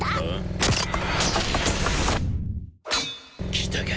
来たか。